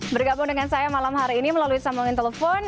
bergabung dengan saya malam hari ini melalui sambungan telepon